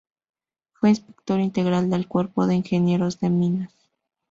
Fue inspector general del Cuerpo de Ingenieros de Minas.